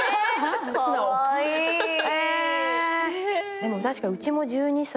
でも確かにうちも１２歳。